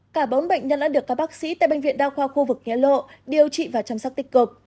cả bốn bệnh nhân đã được các bác sĩ tại bệnh viện đa khoa khu vực nhé lộ điều trị và chăm sóc tích cực